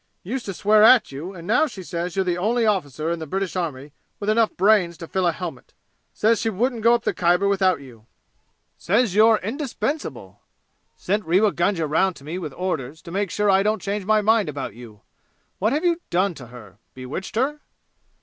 Used to swear at you, and now says you're the only officer in the British army with enough brains to fill a helmet! Says she wouldn't go up the Khyber without you! Says you're indispensable! Sent Rewa Gunga round to me with orders to make sure I don't change my mind about you! What have you done to her bewitched her?"